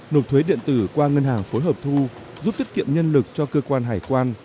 nộp thuế điện tử qua ngân hàng phối hợp thu giúp tiết kiệm nhân lực cho cơ quan hải quan